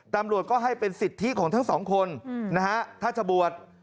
ตำรวจก็ให้เป็นสิทธิของทั้งสองคนนะฮะถ้าจะบวช